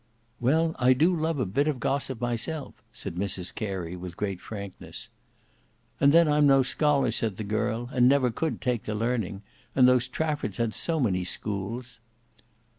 "Well, I do love a bit of gossip myself," said Mrs Carey, with great frankness. "And then I'm no scholar," said the girl, "and never could take to learning. And those Traffords had so many schools."